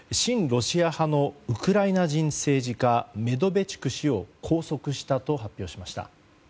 ロシア派のウクライナ人政治家メドベチュク氏を拘束したと発表しました。